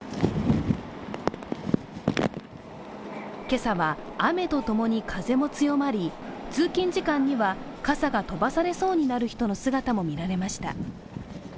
今朝は、雨と共に風も強まり通勤時間には傘が飛ばされそうになる人の姿も見られました。